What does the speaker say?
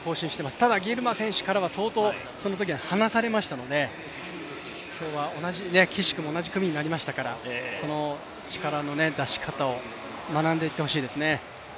ただ、そのときギルマ選手からは相当、そのときは離されましたので今日は、くしくも同じ組になりましたからその力の出し方を学んでいってほしいですね。